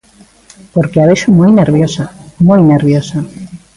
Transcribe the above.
Porque a vexo moi nerviosa, moi nerviosa.